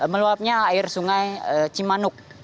meluapnya air sungai cimanuk